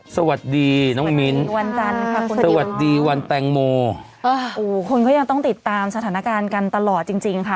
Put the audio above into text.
สวัสดีน้องมิ้นวันจันทร์ค่ะคุณสวัสดีวันแตงโมเออคนก็ยังต้องติดตามสถานการณ์กันตลอดจริงจริงค่ะ